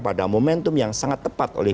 pada momentum yang sangat tepat oleh